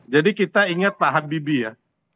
jadi kita ingat pak habibie ya